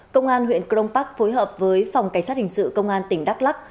công an huyện cron park phối hợp với phòng cảnh sát hình sự công an tỉnh đắk lắc